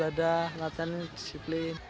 ibadah latihan disiplin